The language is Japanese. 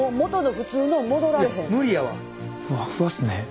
ふわっふわっすね。